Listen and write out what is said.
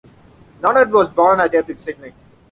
Lonard was born at Epping, Sydney.